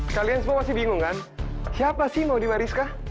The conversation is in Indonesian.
kalian semua masih bingung kan siapa sih mau diwariska